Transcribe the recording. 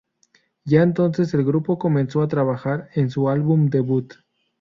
Ya entonces el grupo comenzó a trabajar en su álbum debut.